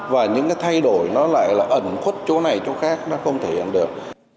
và những cái thay đổi nó lại là ẩn khuất chỗ này chỗ khác nó không thể hiện được